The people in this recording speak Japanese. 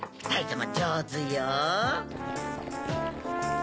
はい。